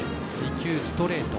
２球、ストレート。